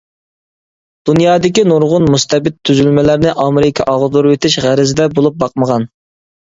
دۇنيادىكى نۇرغۇن مۇستەبىت تۈزۈلمىلەرنى ئامېرىكا ئاغدۇرۇۋېتىش غەرىزىدە بولۇپ باقمىغان.